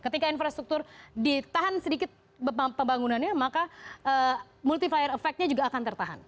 ketika infrastruktur ditahan sedikit pembangunannya maka multi fire effectnya juga akan tertahan